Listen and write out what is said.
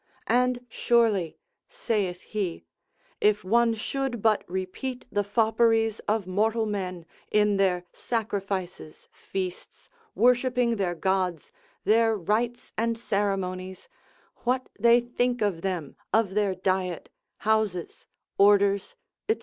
And surely (saith he) if one should but repeat the fopperies of mortal men, in their sacrifices, feasts, worshipping their gods, their rites and ceremonies, what they think of them, of their diet, houses, orders, &c.